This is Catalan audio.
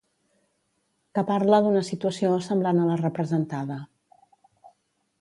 Que parla d'una situació semblant a la representada.